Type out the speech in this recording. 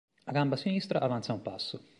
La gamba sinistra avanza un passo.